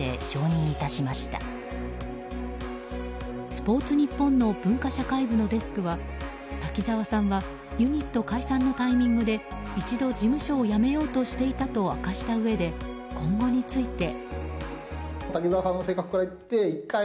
スポーツニッポンの文化社会部のデスクは滝沢さんがユニット解散のタイミングで一度、事務所を辞めようとしていたと明かしたうえで今後について。